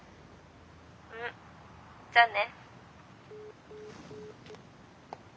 うんじゃあね。